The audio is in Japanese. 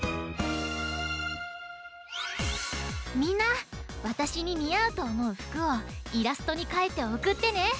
みんなわたしににあうとおもうふくをイラストにかいておくってね！